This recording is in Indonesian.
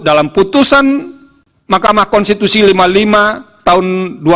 dalam putusan mahkamah konstitusi lima puluh lima tahun dua ribu dua puluh tiga